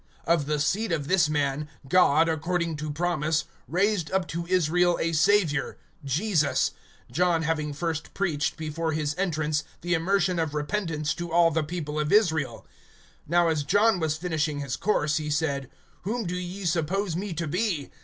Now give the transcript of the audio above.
(23)Of the seed of this man, God, according to promise, raised up to Israel a Savior, Jesus; (24)John having first preached, before his entrance, the immersion of repentance to all the people of Israel. (25)Now as John was finishing his course, he said: Whom do ye suppose me to be?